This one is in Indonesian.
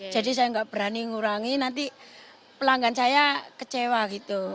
jadi saya enggak berani ngurangi nanti pelanggan saya kecewa gitu